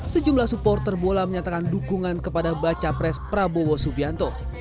sejumlah supporter bola menyatakan dukungan kepada baca pres prabowo subianto